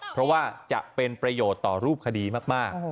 เพราะว่าจะเป็นประโยชน์ต่อรูปคดีมาก